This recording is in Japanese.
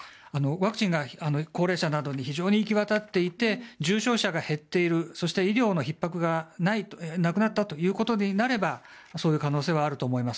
ワクチンが高齢者などにいきわたっていて重症者が減っている医療のひっ迫がなくなったということになればそういう可能性はあると思います。